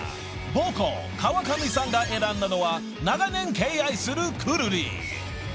［ボーカル川上さんが選んだのは長年敬愛するくるり］